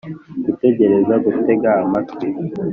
gutegereza - gutega amatwi…